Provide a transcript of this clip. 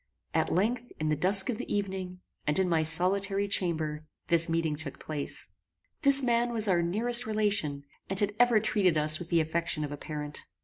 At length, in the dusk of the evening, and in my solitary chamber, this meeting took place. This man was our nearest relation, and had ever treated us with the affection of a parent.